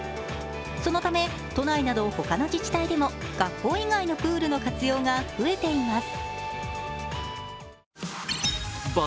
そのため都内など他の自治体でも学校以外のプールの活用が増えています。